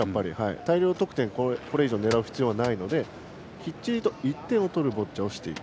大量得点をこれ以上狙う必要はないのできっちり１点取るボッチャをしていく。